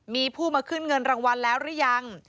มีผู้มาขึ้นเงินรางวัลแล้วหรือยัง